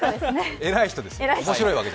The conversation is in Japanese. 偉い人です。